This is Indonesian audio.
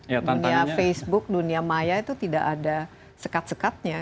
dunia facebook dunia maya itu tidak ada sekat sekatnya